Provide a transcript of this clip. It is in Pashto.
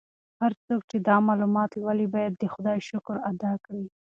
هر څوک چې دا معلومات لولي باید د خدای شکر ادا کړي.